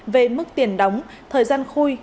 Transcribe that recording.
về mức tiền đóng thời gian khui